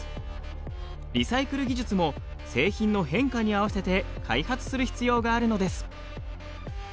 リサイクル技術も製品の変化に合わせて開発する必要があるのです。